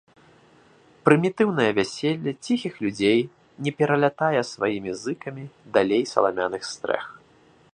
Прымітыўнае вяселле ціхіх людзей не пералятае сваімі зыкамі далей саламяных стрэх.